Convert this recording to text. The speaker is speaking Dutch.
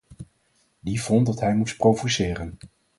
Die vond dat hij moest provoceren.